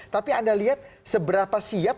tapi anda lihat seberapa siap